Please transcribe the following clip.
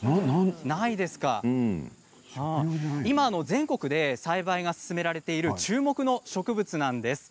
全国で栽培が進められている注目の植物なんです。